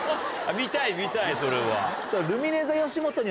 見たい見たいそれは。